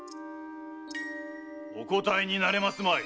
お答えになれますまい！